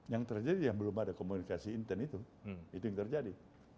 yang terjadi yang belum ada komunikasi intens itu itu yang terjadi